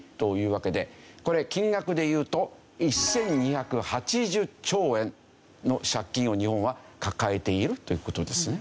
これ金額でいうと１２８０兆円の借金を日本は抱えているという事ですね。